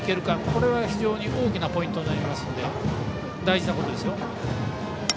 これは非常に大きなポイントになりますので大事なことですよ。